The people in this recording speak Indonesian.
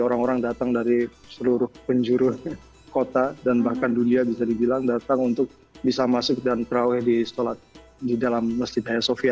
orang orang datang dari seluruh penjuru kota dan bahkan dunia bisa dibilang datang untuk bisa masuk dan terawih di sholat di dalam masjid haya sofia